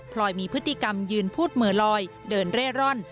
ลอยมีพฤติกรรมยืนพูดเหมือลอยเดินเร่ร่อน